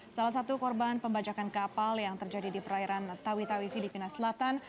salah satu korban pembajakan kapal yang terjadi di perairan tawi tawi filipina selatan